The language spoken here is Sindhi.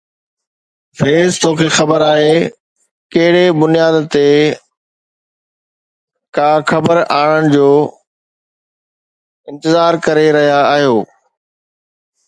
فيض، توکي خبر آهي، ڪهڙي بنياد تي ڪا خبر آڻڻ جو انتظار ڪري رهيا آهيو؟